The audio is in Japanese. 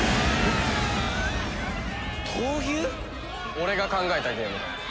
俺が考えたゲームだ。